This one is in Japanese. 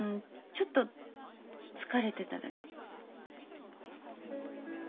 ちょっと疲れてただけ。